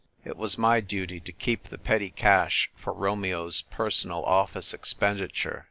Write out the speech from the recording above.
It was my duty to keep the petty cash for Romeo's personal office expenditure.